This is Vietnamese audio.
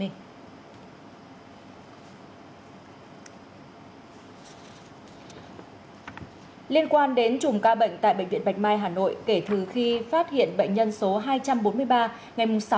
liên quan đến chùm ca bệnh tại bệnh viện bạch mai hà nội kể từ khi phát hiện bệnh nhân số hai trăm bốn mươi ba ngày sáu